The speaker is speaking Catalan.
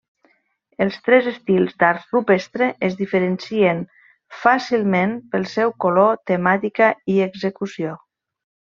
Els tres estils d'art rupestre es diferencien fàcilment pel seu color, temàtica i execució.